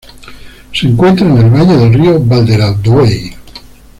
Se encuentra en el valle del río Valderaduey.